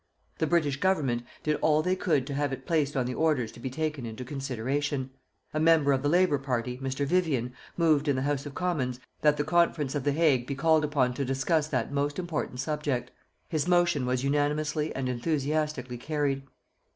The British Government did all they could to have it placed on the orders to be taken into consideration. A member of the Labor Party, Mr. Vivian, moved in the House of Commons, that the Conference of The Hague be called upon to discuss that most important subject. His motion was unanimously and enthusiastically carried.